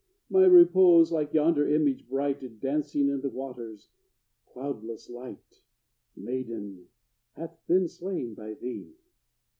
My repose, like yonder image bright, Dancing in the waters cloudless, light, Maiden, hath been slain by thee!